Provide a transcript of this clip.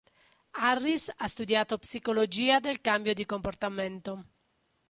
Harris ha studiato psicologia del cambio di comportamento.